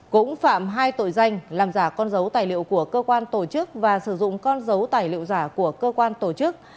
cũng phạm hai tội danh làm giả con dấu tài liệu của cơ quan tổ chức và sử dụng con dấu tài liệu giả của cơ quan tổ chức